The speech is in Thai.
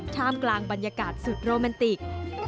ท่ามกลางบรรยากาศสุดโรแมนติก